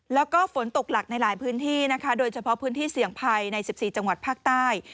แล้วก็ฝนตกหนักในหลายพื้นที่นะคะโดยเฉพาะพื้นที่เสี่ยงภัยใน๑๔จังหวัดภาคใต้